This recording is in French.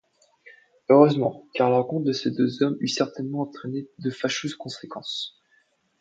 Heureusement, car la rencontre de ces deux hommes eût certainement entraîné de fâcheuses conséquences.